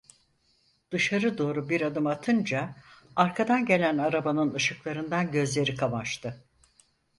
Dışarı doğru bir adım atınca arkadan gelen arabanın ışıklarından gözleri kamaştı.